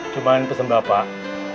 cuman pesan bapak